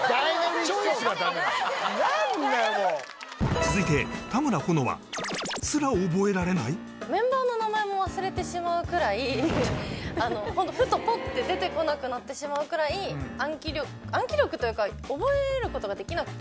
続いてメンバーの名前も忘れてしまうくらいホントふとポッて出て来なくなってしまうくらい暗記力暗記力というか覚えることができなくて。